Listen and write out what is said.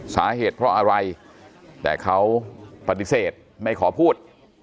สาเหตุเพราะอะไรแต่เขาปฏิเสธไม่ขอพูด